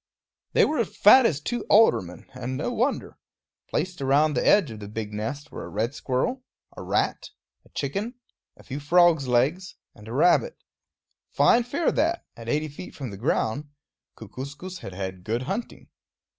They were fat as two aldermen; and no wonder. Placed around the edge of the big nest were a red squirrel, a rat, a chicken, a few frogs' legs, and a rabbit. Fine fare that, at eighty feet from the ground. Kookooskoos had had good hunting.